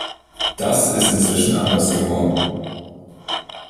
Das ist inzwischen anders geworden.